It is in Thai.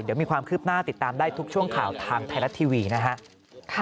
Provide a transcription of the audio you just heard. เดี๋ยวมีความคืบหน้าติดตามได้ทุกช่วงข่าวทางไทยรัฐทีวีนะฮะ